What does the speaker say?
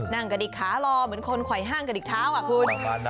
นั่งกระดิกขารอเหมือนคนไขว้ห้างกระดิกเท้าอ่ะคุณ